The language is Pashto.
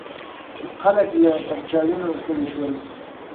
خلک له پرچاوینو ستړي شول.